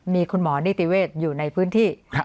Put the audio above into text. มีคุณหมอนิติเวศอยู่ในพื้นที่